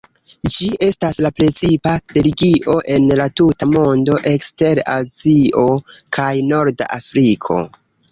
Ĝi estas la precipa religio en la tuta mondo ekster Azio kaj norda Afriko.